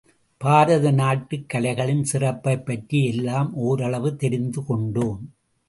பாரத நாட்டுக் கலைகளின் சிறப்பைப் பற்றி எல்லாம் ஓரளவு தெரிந்து கொண்டோம்.